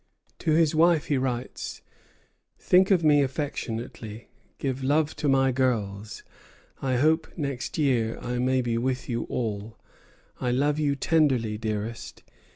To his wife he writes: "Think of me affectionately; give love to my girls. I hope next year I may be with you all. I love you tenderly, dearest."